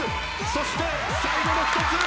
そして最後の１つ。